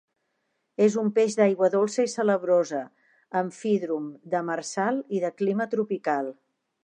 És un peix d'aigua dolça i salabrosa, amfídrom, demersal i de clima tropical.